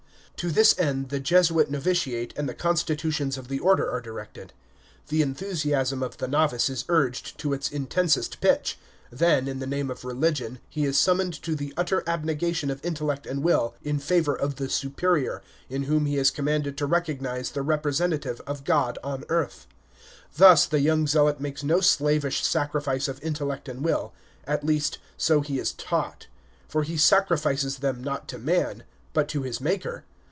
To this end the Jesuit novitiate and the constitutions of the Order are directed. The enthusiasm of the novice is urged to its intensest pitch; then, in the name of religion, he is summoned to the utter abnegation of intellect and will in favor of the Superior, in whom he is commanded to recognize the representative of God on earth. Thus the young zealot makes no slavish sacrifice of intellect and will; at least, so he is taught: for he sacrifices them, not to man, but to his Maker.